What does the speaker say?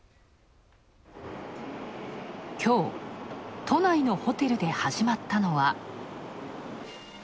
今日、都内のホテルで始まったのは。